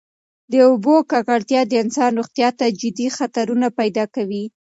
د اوبو ککړتیا د انسان روغتیا ته جدي خطرونه پیدا کوي.